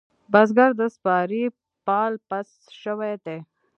بزگر د سپارې پال پس شوی دی.